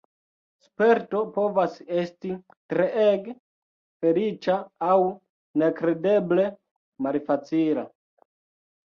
Sperto povas esti treege feliĉa aŭ nekredeble malfacila.